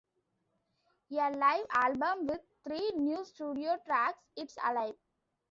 A live album with three new studio tracks, It's Alive!